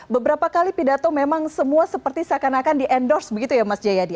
beberapa kali pidato memang semua seperti seakan akan di endorse begitu ya mas jayadi